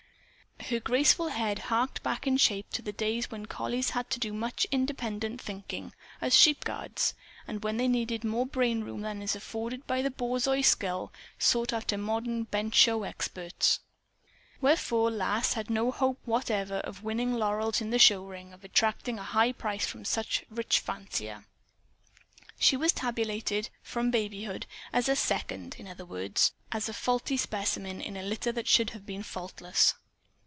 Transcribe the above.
Her graceful head harked back in shape to the days when collies had to do much independent thinking, as sheep guards, and when they needed more brainroom than is afforded by the borzoi skull sought after by modern bench show experts. Wherefore, Lass had no hope whatever of winning laurels in the show ring or of attracting a high price from some rich fancier. She was tabulated, from babyhood, as a "second" in other words, as a faulty specimen in a litter that should have been faultless.